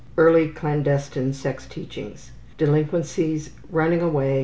Early clandestine sex teachings. Delinquencies: Mentality: Running away.